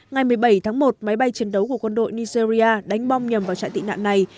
ngày một mươi bảy tháng một máy bay chiến đấu của quân đội nigeria đánh bom nhầm vào trại tị nạn này